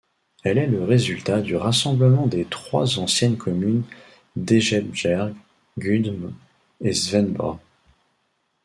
Elle est le résultat du rassemblement des trois anciennes communes d’Egebjerg, Gudme et Svendborg.